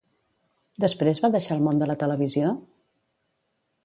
Després va deixar el món de la televisió?